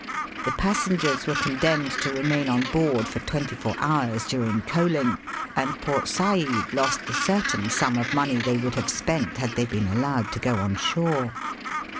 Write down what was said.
The pas sengers were condemned to remain on board for twenty four hours during coaling, and Port Said lost the certain sum of money they would have spent had they been allowed to go on shore.